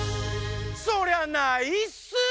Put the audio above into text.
そりゃないっすー！